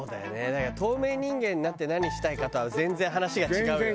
だから透明人間になって何したいかとは全然話が違うよね。